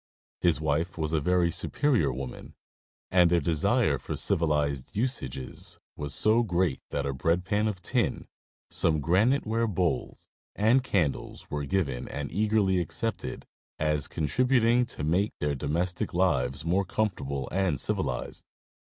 His wife was a very superior woman, and their desire for civilized usages was so great that a bread pan of tin, some granite ware bowls, and candles, were given and eagerly accepted as contributing to make their domestic lives more comfortable and civilized.